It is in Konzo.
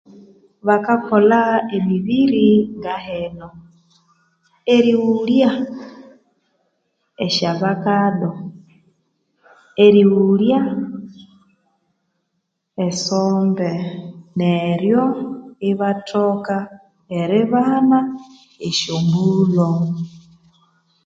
Bakakolha emibiri ngahino erighulya esya vakado erighulya esombe neryo ibathoka eribana esyo mbulho